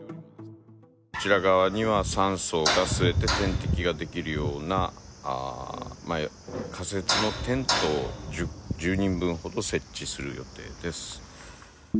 こちら側には酸素が吸えて、点滴ができるような、仮設のテントを１０人分ほど設置する予定です。